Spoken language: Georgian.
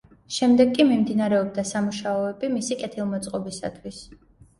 შემდეგ კი მიმდინარეობდა სამუშაოები მისი კეთილმოწყობისათვის.